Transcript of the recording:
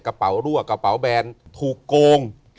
กระเป๋ารั่วกระเป๋าแบนถูกโกง